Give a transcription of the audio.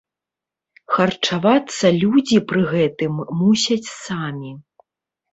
Харчавацца людзі пры гэтым мусяць самі.